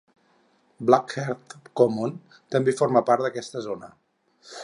Blackheath Common també forma part d'aquesta zona.